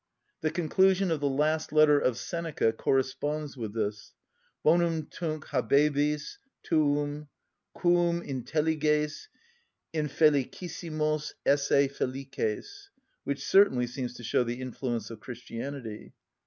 The conclusion of the last letter of Seneca corresponds with this: bonum tunc habebis tuum, quum intelliges infelicissimos esse felices; which certainly seems to show the influence of Christianity.